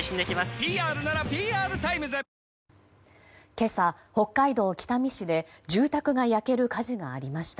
今朝、北海道北見市で住宅が焼ける火事がありました。